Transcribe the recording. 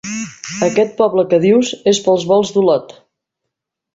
Aquest poble que dius és pels volts d'Olot.